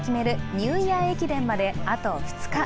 ニューイヤー駅伝まであと２日。